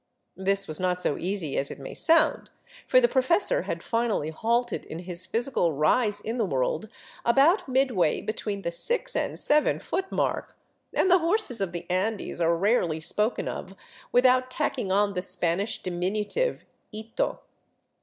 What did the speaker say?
This was not so easy as it may sound, for the professor had finally halted in his physical rise in the world about midway between the six and seven foot mark, and the horses of the Andes are rarely spoken of without tacking on the Spanish diminutive, ito.